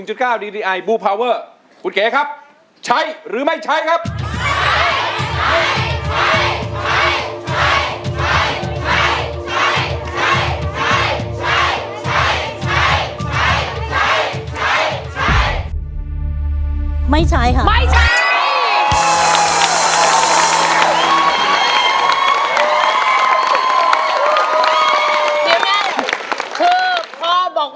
จะสู้หรือจะหยุด